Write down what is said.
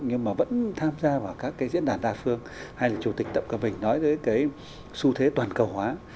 nhưng mà vẫn tham gia vào các diễn đàn đa phương hay là chủ tịch tập cảm bình nói về cái xu thế toàn cầu hóa